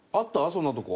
そんなとこ。